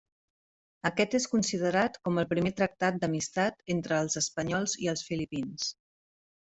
Aquest és considerat com el primer tractat d'amistat entre els espanyols i els filipins.